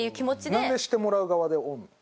なんでしてもらう側でおるの？